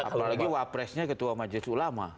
apalagi wapresnya ketua majelis ulama